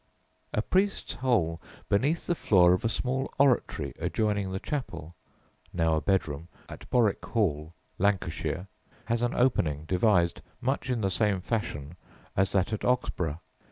A priest's hole beneath the floor of a small oratory adjoining "the chapel" (now a bedroom) at Borwick Hall, Lancashire, has an opening devised much in the same fashion as that at Oxburgh.